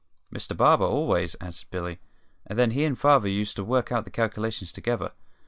"Mr Barber, always," answered Billy; "and then he and Father used to work out the calculations together.